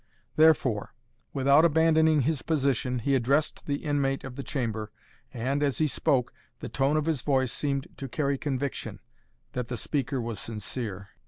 Therefore, without abandoning his position, he addressed the inmate of the chamber and, as he spoke, the tone of his voice seemed to carry conviction, that the speaker was sincere.